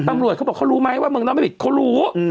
ตำรวจเขาบอกเขารู้ไหมว่าเมืองนอกไม่ผิดเขารู้